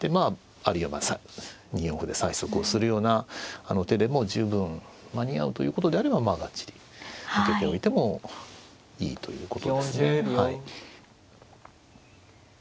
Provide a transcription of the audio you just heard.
あるいは２四歩で催促をするような手でも十分間に合うということであればまあがっちり受けておいてもいいということですね。